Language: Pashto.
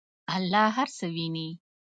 الله هر څه ویني.